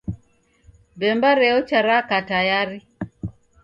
Bemba reocha raka tayari